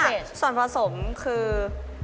เพราะว่าส่วนผสมคือ